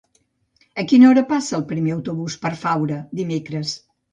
A quina hora passa el primer autobús per Faura dimecres?